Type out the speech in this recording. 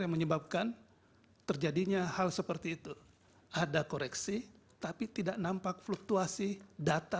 yang menyebabkan terjadinya hal seperti itu ada koreksi tapi tidak nampak fluktuasi data